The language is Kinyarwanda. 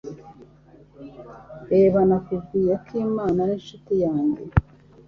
Reba, nakubwiye Akimana ni inshuti yanjye.